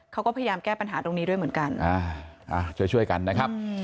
เขาก็พยายามแก้ปัญหาตรงนี้ด้วยเหมือนกันช่วยกันนะครับ